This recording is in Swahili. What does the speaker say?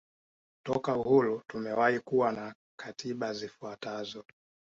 Toka uhuru tumewahi kuwa na katiba zifuatazo